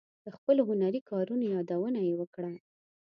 د خپلو هنري کارونو یادونه یې وکړه.